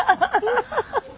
ハハハハ。